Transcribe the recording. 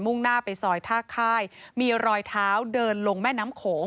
่งหน้าไปซอยท่าค่ายมีรอยเท้าเดินลงแม่น้ำโขง